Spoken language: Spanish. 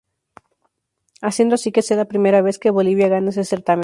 Haciendo así que sea la primera vez que Bolivia gana ese certamen.